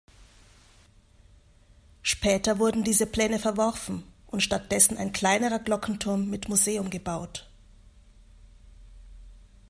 Später wurden diese Pläne verworfen und stattdessen ein kleinerer Glockenturm mit Museum gebaut.